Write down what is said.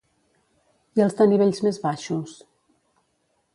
I els de nivells més baixos?